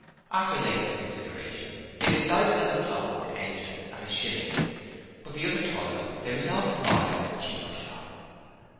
After lengthy consideration, they decided on a clockwork engine at a shilling, but the other toys they resolved to buy at a cheaper shop.